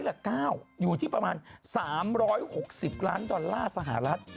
หลัก๙อยู่ที่ประมาณ๓๖๐ล้านดอลลาร์สหรัฐ